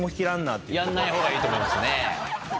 やんないほうがいいと思いますね。